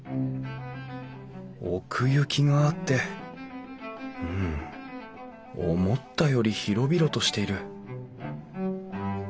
奥行きがあってうん思ったより広々としている